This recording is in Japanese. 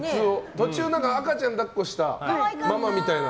途中、赤ちゃんを抱っこしたママみたいな。